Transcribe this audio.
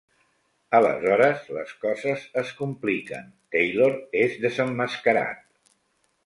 Aleshores les coses es compliquen, Taylor és desemmascarat.